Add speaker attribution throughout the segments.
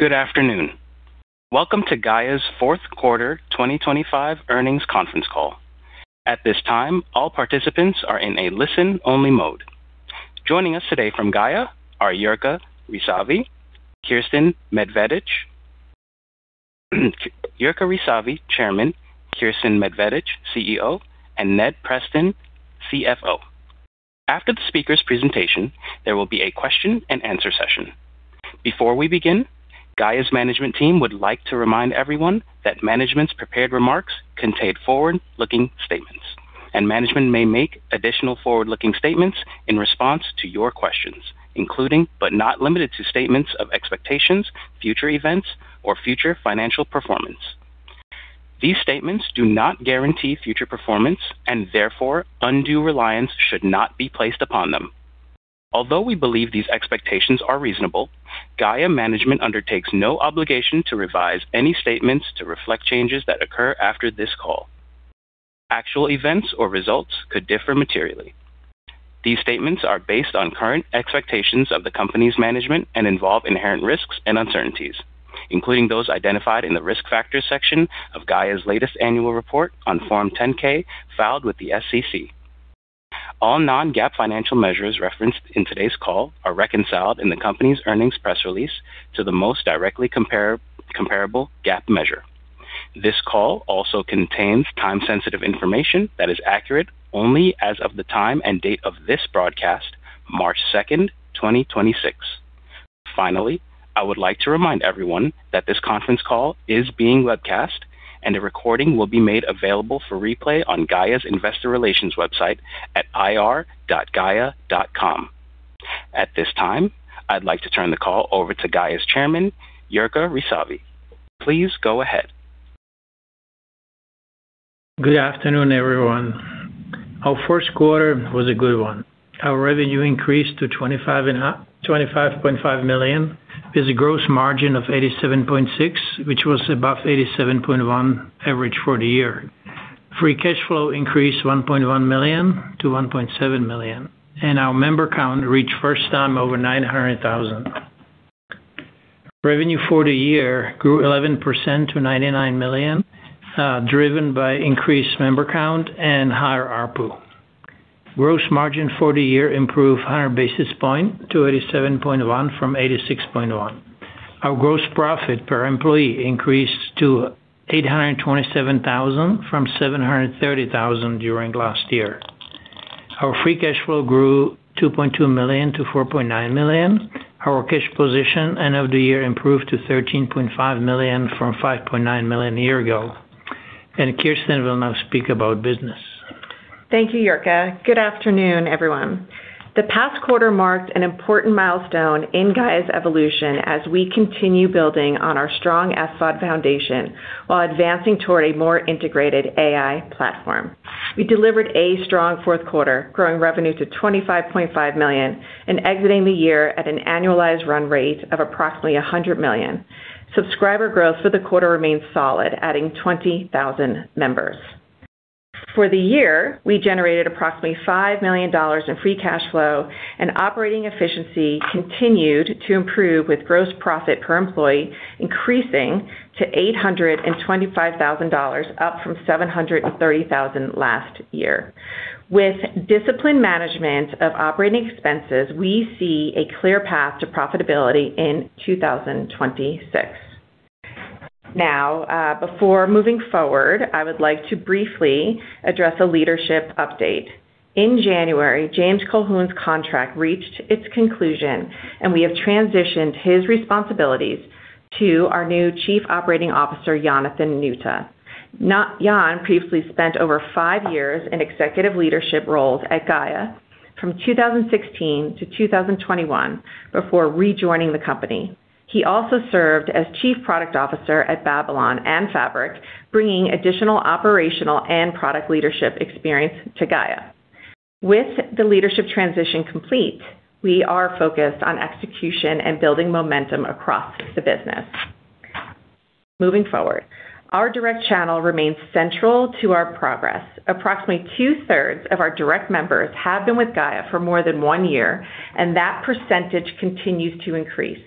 Speaker 1: Good afternoon. Welcome to Gaia's fourth quarter 2025 earnings conference call. At this time, all participants are in a listen-only mode. Joining us today from Gaia are Jirka Rysavy, Kiersten Medvedich. Jirka Rysavy, Chairman, Kiersten Medvedich, CEO, and Ned Preston, CFO. After the speakers' presentation, there will be a question-and-answer session. Before we begin, Gaia's management team would like to remind everyone that management's prepared remarks contain forward-looking statements, and management may make additional forward-looking statements in response to your questions, including, but not limited to, statements of expectations, future events, or future financial performance. These statements do not guarantee future performance and therefore undue reliance should not be placed upon them. Although we believe these expectations are reasonable, Gaia Management undertakes no obligation to revise any statements to reflect changes that occur after this call. Actual events or results could differ materially. These statements are based on current expectations of the company's management and involve inherent risks and uncertainties, including those identified in the Risk Factors section of Gaia's latest annual report on Form 10-K filed with the SEC. All non-GAAP financial measures referenced in today's call are reconciled in the company's earnings press release to the most directly comparable GAAP measure. This call also contains time-sensitive information that is accurate only as of the time and date of this broadcast, March 2nd, 2026. I would like to remind everyone that this conference call is being webcast, and a recording will be made available for replay on Gaia's investor relations website at ir.gaia.com. At this time, I'd like to turn the call over to Gaia's chairman, Jirka Rysavy. Please go ahead.
Speaker 2: Good afternoon, everyone. Our first quarter was a good one. Our revenue increased to $25.5 million with a gross margin of 87.6%, which was above 87.1% average for the year. Free cash flow increased $1.1 million to $1.7 million, and our member count reached first time over 900,000. Revenue for the year grew 11% to $99 million, driven by increased member count and higher ARPU. Gross margin for the year improved 100 basis points to 87.1% from 86.1%. Our gross profit per employee increased to $827,000 from $730,000 during last year. Our free cash flow grew $2.2 million to $4.9 million. Our cash position end of the year improved to $13.5 million from $5.9 million a year ago. Kiersten will now speak about business.
Speaker 3: Thank you, Jirka. Good afternoon, everyone. The past quarter marked an important milestone in Gaia's evolution as we continue building on our strong SVOD foundation while advancing toward a more integrated AI platform. We delivered a strong fourth quarter, growing revenue to $25.5 million and exiting the year at an annualized run rate of approximately $100 million. Subscriber growth for the quarter remained solid, adding 20,000 members. For the year, we generated approximately $5 million in free cash flow, and operating efficiency continued to improve, with gross profit per employee increasing to $825,000, up from $730,000 last year. With disciplined management of operating expenses, we see a clear path to profitability in 2026. Before moving forward, I would like to briefly address a leadership update. In January, James Colquhoun's contract reached its conclusion. We have transitioned his responsibilities to our new Chief Operating Officer, Yonathan Nuta. Jon previously spent over five years in executive leadership roles at Gaia from 2016 to 2021 before rejoining the company. He also served as Chief Product Officer at Babylon and Fabric, bringing additional operational and product leadership experience to Gaia. With the leadership transition complete, we are focused on execution and building momentum across the business. Moving forward, our direct channel remains central to our progress. Approximately 2/3 of our direct members have been with Gaia for more than one year. That percentage continues to increase.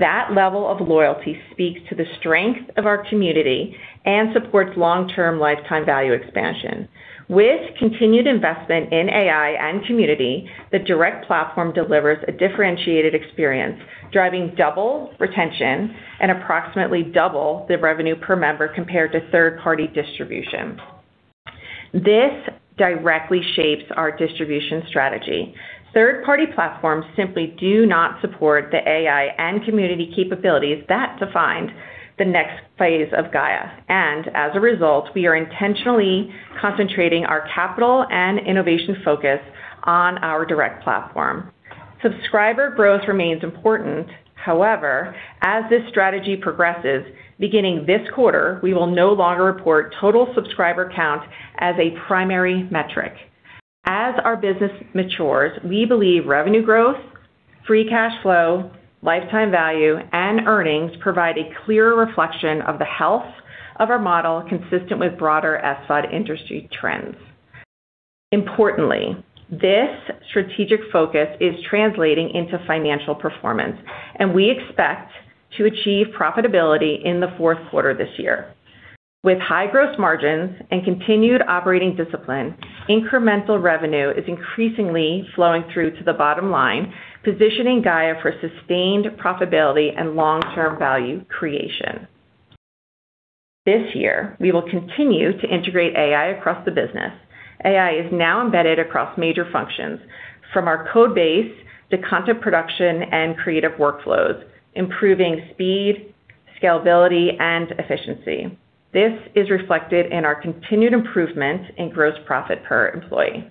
Speaker 3: That level of loyalty speaks to the strength of our community and supports long-term lifetime value expansion. With continued investment in AI and community, the direct platform delivers a differentiated experience, driving 2x retention and approximately 2x the revenue per member compared to third-party distribution. This directly shapes our distribution strategy. Third-party platforms simply do not support the AI and community capabilities that define the next phase of Gaia. As a result, we are intentionally concentrating our capital and innovation focus on our direct platform. Subscriber growth remains important. However, as this strategy progresses, beginning this quarter, we will no longer report total subscriber count as a primary metric. As our business matures, we believe revenue growth, free cash flow, lifetime value, and earnings provide a clearer reflection of the health of our model, consistent with broader SVOD industry trends. Importantly, this strategic focus is translating into financial performance, and we expect to achieve profitability in the fourth quarter this year. With high gross margins and continued operating discipline, incremental revenue is increasingly flowing through to the bottom line, positioning Gaia for sustained profitability and long-term value creation. This year, we will continue to integrate AI across the business. AI is now embedded across major functions, from our code base to content production and creative workflows, improving speed, scalability, and efficiency. This is reflected in our continued improvement in gross profit per employee.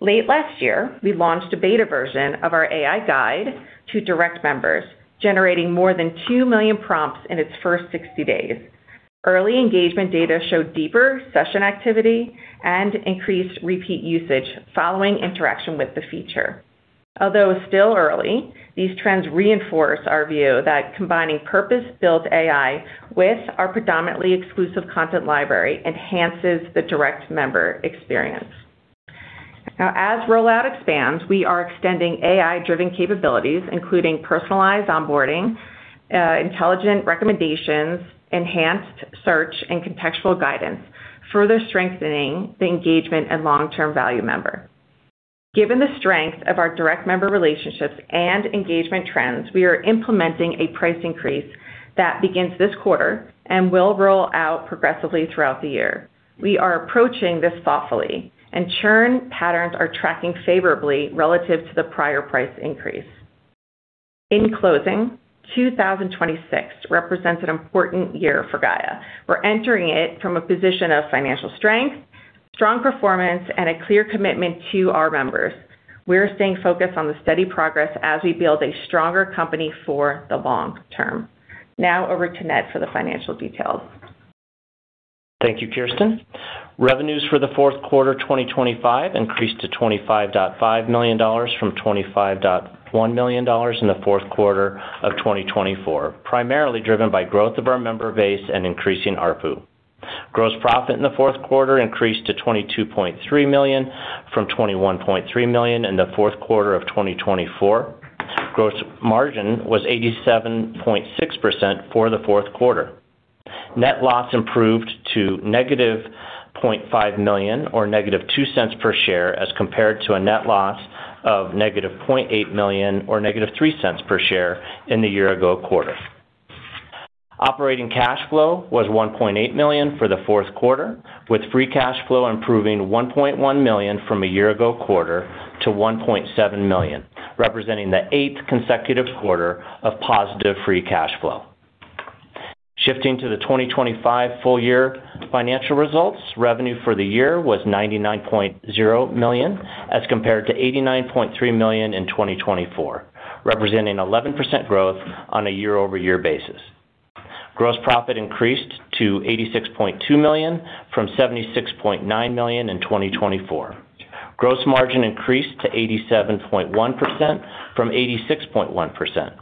Speaker 3: Late last year, we launched a beta version of our AI guide to direct members, generating more than 2 million prompts in its first 60 days. Early engagement data showed deeper session activity and increased repeat usage following interaction with the feature. Although still early, these trends reinforce our view that combining purpose-built AI with our predominantly exclusive content library enhances the direct member experience. As rollout expands, we are extending AI-driven capabilities, including personalized onboarding, intelligent recommendations, enhanced search and contextual guidance, further strengthening the engagement and long-term value member. Given the strength of our direct member relationships and engagement trends, we are implementing a price increase that begins this quarter and will roll out progressively throughout the year. We are approaching this thoughtfully, and churn patterns are tracking favorably relative to the prior price increase. In closing, 2026 represents an important year for Gaia. We're entering it from a position of financial strength, strong performance, and a clear commitment to our members. We're staying focused on the steady progress as we build a stronger company for the long term. Over to Ned for the financial details.
Speaker 4: Thank you, Kirsten. Revenues for the fourth quarter 2025 increased to $25.5 million from $25.1 million in the fourth quarter of 2024, primarily driven by growth of our member base and increasing ARPU. Gross profit in the fourth quarter increased to $22.3 million from $21.3 million in the fourth quarter of 2024. Gross margin was 87.6% for the fourth quarter. Net loss improved to -$0.5 million or -$0.02 per share as compared to a net loss of -$0.8 million or -$0.03 per share in the year-ago quarter. Operating cash flow was $1.8 million for the fourth quarter, with free cash flow improving $1.1 million from a year-ago quarter to $1.7 million, representing the eighth consecutive quarter of positive free cash flow. Shifting to the 2025 full-year financial results, revenue for the year was $99.0 million as compared to $89.3 million in 2024, representing 11% growth on a year-over-year basis. Gross profit increased to $86.2 million from $76.9 million in 2024. Gross margin increased to 87.1% from 86.1%.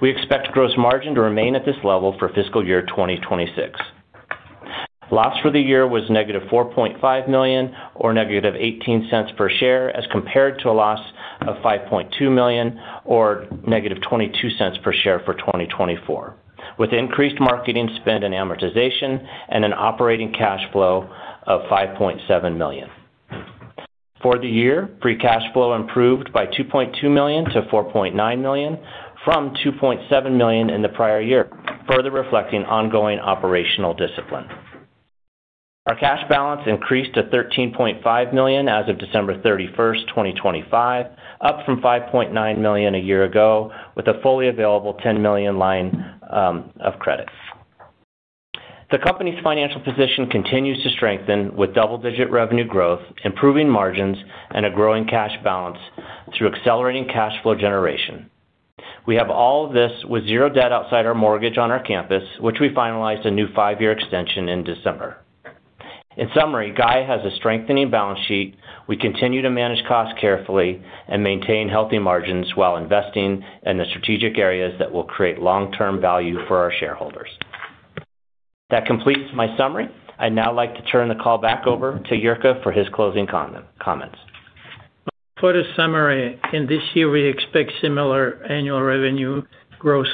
Speaker 4: We expect gross margin to remain at this level for fiscal year 2026. Loss for the year was negative $4.5 million or negative $0.18 per share as compared to a loss of $5.2 million or negative $0.22 per share for 2024, with increased marketing spend and amortization and an operating cash flow of $5.7 million. For the year, free cash flow improved by $2.2 million to $4.9 million from $2.7 million in the prior year, further reflecting ongoing operational discipline. Our cash balance increased to $13.5 million as of December 31st, 2025, up from $5.9 million a year ago, with a fully available $10 million line of credit. The company's financial position continues to strengthen with double-digit revenue growth, improving margins, and a growing cash balance through accelerating cash flow generation. We have all of this with zero debt outside our mortgage on our campus, which we finalized a new five-year extension in December. In summary, Gaia has a strengthening balance sheet. We continue to manage costs carefully and maintain healthy margins while investing in the strategic areas that will create long-term value for our shareholders. That completes my summary. I'd now like to turn the call back over to Jirka for his closing comments.
Speaker 2: For the summary, in this year we expect similar annual revenue growth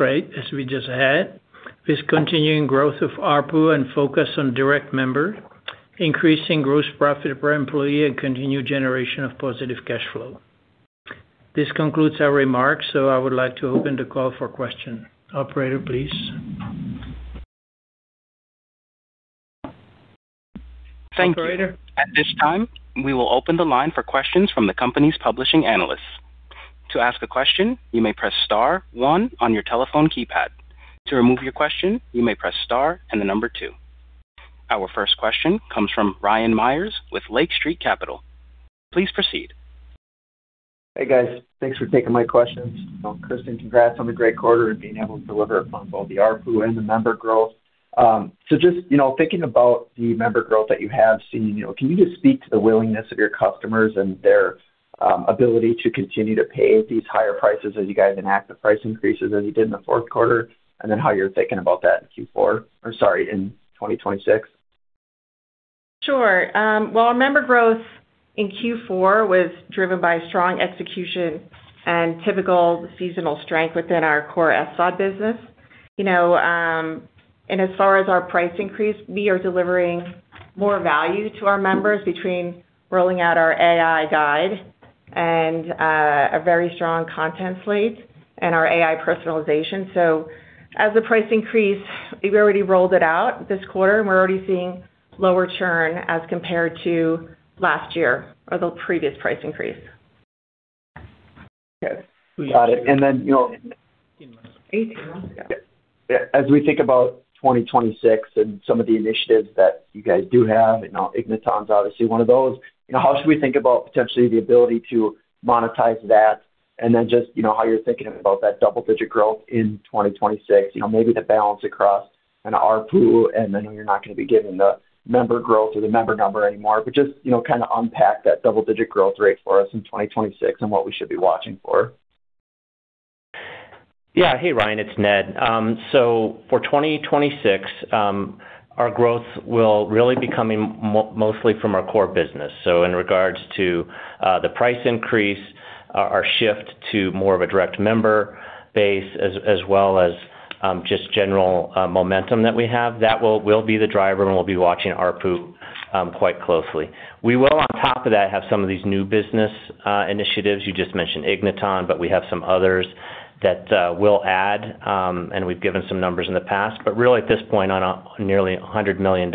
Speaker 2: rate as we just had, with continuing growth of ARPU and focus on direct member, increasing gross profit per employee and continued generation of positive cash flow. This concludes our remarks, I would like to open the call for question. Operator, please.
Speaker 1: Thank you.
Speaker 2: Operator?
Speaker 1: At this time, we will open the line for questions from the company's publishing analysts. To ask a question, you may press star one on your telephone keypad. To remove your question, you may press star and the number two. Our first question comes from Ryan Meyers with Lake Street Capital. Please proceed.
Speaker 5: Hey, guys. Thanks for taking my questions. Kiersten, congrats on the great quarter and being able to deliver it from both the ARPU and the member growth. Just, you know, thinking about the member growth that you have seen, you know, can you just speak to the willingness of your customers and their ability to continue to pay these higher prices as you guys enact the price increases as you did in the fourth quarter. How you're thinking about that or sorry, in 2026.
Speaker 3: Sure. Well, our member growth in Q4 was driven by strong execution and typical seasonal strength within our core SVOD business. You know, as far as our price increase, we are delivering more value to our members between rolling out our AI Guides and a very strong content slate and our AI personalization. As the price increase, we already rolled it out this quarter, and we're already seeing lower churn as compared to last year or the previous price increase.
Speaker 5: Okay. Got it. you know.
Speaker 3: Eight months ago.
Speaker 5: We think about 2026 and some of the initiatives that you guys do have, you know, Igniton's obviously one of those. You know, how should we think about potentially the ability to monetize that, and then just, you know, how you're thinking about that double-digit growth in 2026. You know, maybe the balance across an ARPU, and I know you're not going to be giving the member growth or the member number anymore, but just, you know, kind of unpack that double-digit growth rate for us in 2026 and what we should be watching for.
Speaker 4: Yeah. Hey, Ryan, it's Ned. For 2026, our growth will really be coming mostly from our core business. In regards to the price increase, our shift to more of a direct member base, as well as just general momentum that we have, that will be the driver, and we'll be watching ARPU quite closely. We will, on top of that, have some of these new business initiatives. You just mentioned Igniton, we have some others that we'll add, and we've given some numbers in the past. Really, at this point, on a nearly $100 million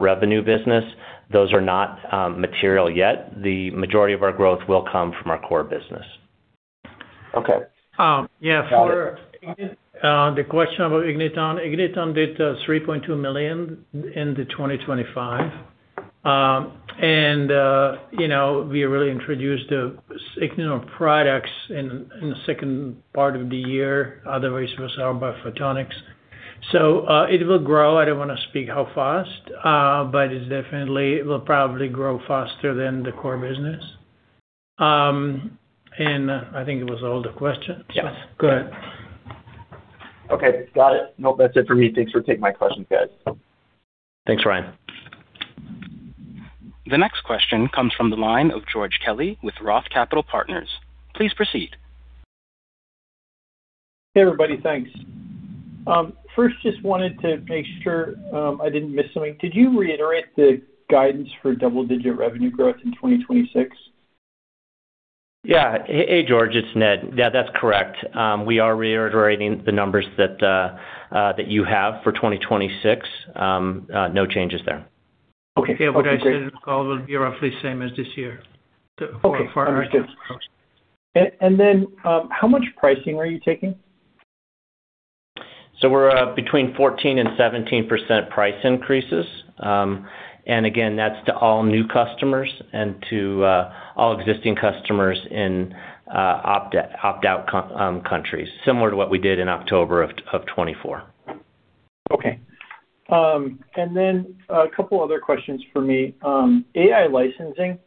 Speaker 4: revenue business, those are not material yet. The majority of our growth will come from our core business.
Speaker 5: Okay. Got it.
Speaker 2: Yeah. For the question about Igniton. Igniton did $3.2 million in 2025. You know, we really introduced the Signal products in the second part of the year, otherwise it was held by Photonics. It will grow. I don't want to speak how fast, but it definitely will probably grow faster than the core business. I think it was all the questions.
Speaker 5: Yeah.
Speaker 2: Good.
Speaker 5: Okay. Got it. Nope, that's it for me. Thanks for taking my questions, guys.
Speaker 4: Thanks, Ryan.
Speaker 1: The next question comes from the line of George Kelly with ROTH Capital Partners. Please proceed.
Speaker 6: Hey, everybody. Thanks. First, just wanted to make sure, I didn't miss something. Could you reiterate the guidance for double-digit revenue growth in 2026?
Speaker 4: Yeah. Hey, George, it's Ned. Yeah, that's correct. We are reiterating the numbers that you have for 2026. No changes there.
Speaker 6: Okay.
Speaker 2: Yeah. What I said in the call will be roughly the same as this year.
Speaker 6: Okay. Understood.
Speaker 2: For our growth.
Speaker 6: Then, how much pricing are you taking?
Speaker 4: We're between 14% and 17% price increases. Again, that's to all new customers and to all existing customers in opt out countries, similar to what we did in October of 2024.
Speaker 6: Okay. A couple other questions for me. AI licensing.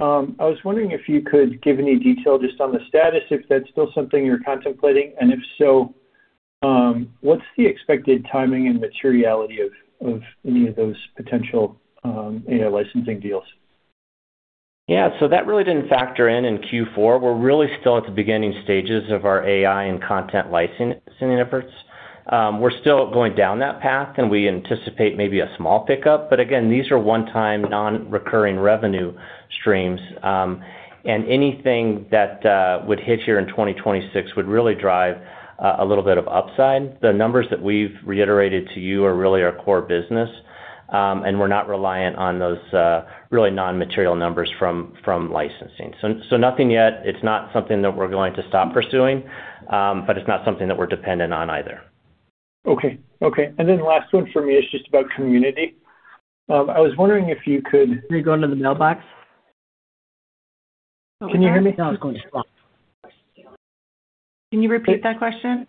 Speaker 6: I was wondering if you could give any detail just on the status, if that's still something you're contemplating, and if so, what's the expected timing and materiality of any of those potential AI licensing deals?
Speaker 4: That really didn't factor in in Q4. We're really still at the beginning stages of our AI and content licensing efforts. We're still going down that path, and we anticipate maybe a small pickup. Again, these are one-time non-recurring revenue streams. Anything that would hit here in 2026 would really drive a little bit of upside. The numbers that we've reiterated to you are really our core business, and we're not reliant on those really non-material numbers from licensing. Nothing yet. It's not something that we're going to stop pursuing, but it's not something that we're dependent on either.
Speaker 6: Okay. Okay. Then last one for me is just about community. I was wondering if you could. Are you going to the mailbox? Can you hear me?
Speaker 2: No, it's going to the box.
Speaker 3: Can you repeat that question?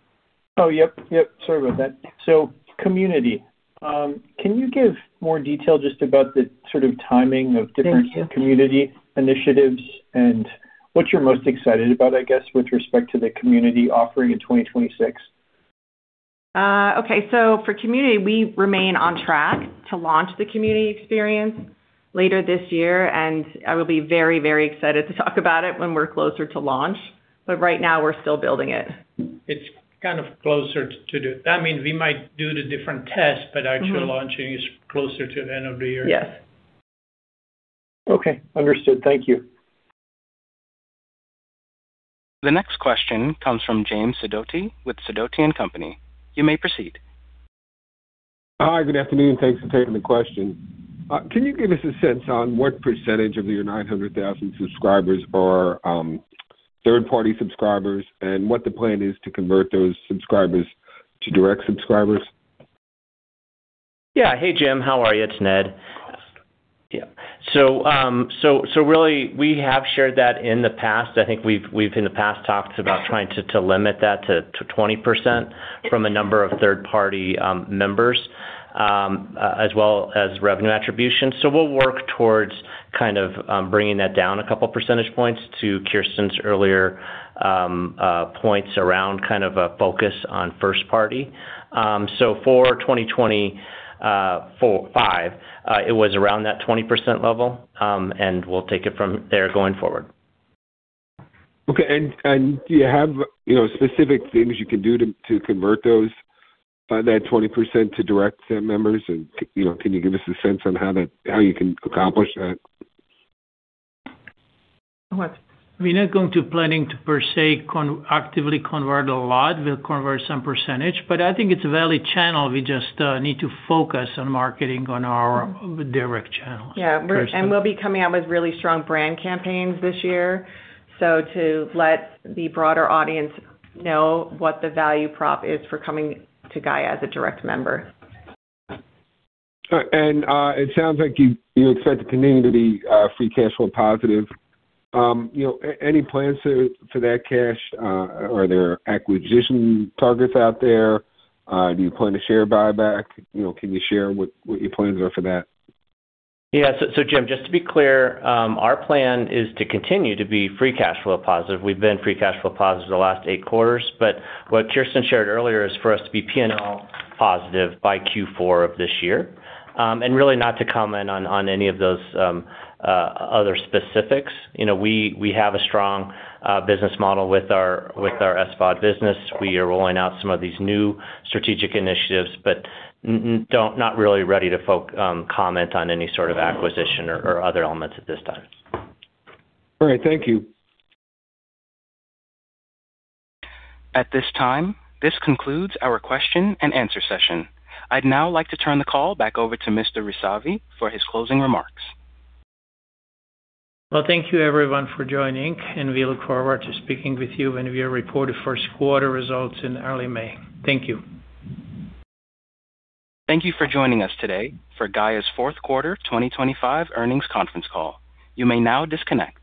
Speaker 6: Oh, yep. Yep. Sorry about that. Community, can you give more detail just about the sort of timing of different community initiatives and what you're most excited about, I guess, with respect to the community offering in 2026?
Speaker 3: Okay. For community, we remain on track to launch the community experience later this year, and I will be very, very excited to talk about it when we're closer to launch. Right now, we're still building it.
Speaker 2: I mean, we might do the different tests, but actual launching is closer to the end of the year.
Speaker 3: Yes.
Speaker 6: Okay. Understood. Thank you.
Speaker 1: The next question comes from James Sidoti with Sidoti & Company. You may proceed.
Speaker 7: Hi. Good afternoon. Thanks for taking the question. Can you give us a sense on what % of your 900,000 subscribers are, third-party subscribers and what the plan is to convert those subscribers to direct subscribers?
Speaker 4: Yeah. Hey, Jim. How are you? It's Ned. Yeah. Really we have shared that in the past. I think we've in the past talked about trying to limit that to 20% from a number of third party members. As well as revenue attribution. We'll work towards kind of bringing that down a couple percentage points to Kiersten's earlier points around kind of a focus on first party. For 2024-2025, it was around that 20% level, and we'll take it from there going forward.
Speaker 7: Okay. Do you have, you know, specific things you can do to convert those, that 20% to direct members? You know, can you give us a sense on how you can accomplish that?
Speaker 2: What? We're not going to planning to per se actively convert a lot. We'll convert some percentage, but I think it's a valid channel. We just need to focus on marketing on our direct channels.
Speaker 3: Yeah. We'll be coming out with really strong brand campaigns this year. To let the broader audience know what the value prop is for coming to Gaia as a direct member.
Speaker 7: It sounds like you expect to continue to be free cash flow positive. You know, any plans for that cash? Are there acquisition targets out there? Do you plan to share buyback? You know, can you share what your plans are for that?
Speaker 4: Yeah. Jim, just to be clear, our plan is to continue to be free cash flow positive. We've been free cash flow positive the last eight quarters. What Kiersten shared earlier is for us to be P&L positive by Q4 of this year. Really not to comment on any of those other specifics. You know, we have a strong business model with our SVOD business. We are rolling out some of these new strategic initiatives, not really ready to comment on any sort of acquisition or other elements at this time.
Speaker 7: All right. Thank you.
Speaker 1: At this time, this concludes our question-and-answer session. I'd now like to turn the call back over to Mr. Rysavy for his closing remarks.
Speaker 2: Well, thank you everyone for joining, and we look forward to speaking with you when we report our first quarter results in early May. Thank you.
Speaker 1: Thank you for joining us today for Gaia's fourth quarter 2025 earnings conference call. You may now disconnect.